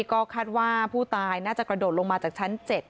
ก็คาดว่าผู้ตายน่าจะกระโดดลงมาจากชั้น๗